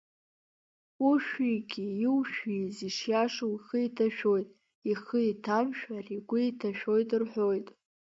Ушәигьы, иушәиз, ишиашоу ихы иҭашәоит, ихы иҭамшәар, игәы иҭашәоит рҳәоит.